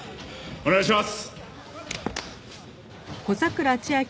お願いします！